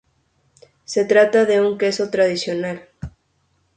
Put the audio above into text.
Se trata de un queso tradicional.